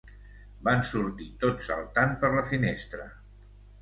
Van sortir tot saltant per la finestra.